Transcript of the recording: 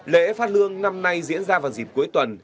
lễ phát lương năm nay diễn ra vào dịp cuối tuần